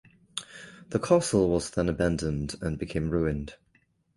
The castle was then abandoned and became ruined.